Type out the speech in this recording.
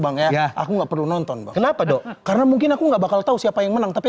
bang ya aku nggak perlu nonton kenapa dok karena mungkin aku nggak bakal tahu siapa yang menang tapi